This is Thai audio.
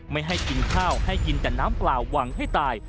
ไม่ให้กินข้าวให้กินแต่น้ำเปล่าหวังให้ตาย